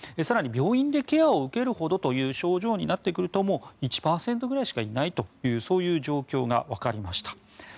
更に病院でケアを受けるほどという症状になってくるともう１％くらいしかいないという状況がわかりました。